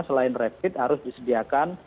selain rapid harus disediakan